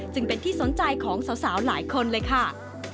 จึงเป็นที่สนใจของสาวหลายคนเลยค่ะ